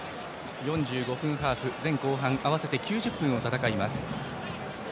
４５分ハーフ、前後半合わせて９０分を戦います。